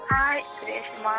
失礼します。